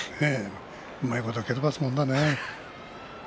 うまいこと蹴飛ばすもんだね。